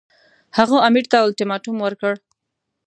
هغه امیر ته اولټیماټوم ورکړ.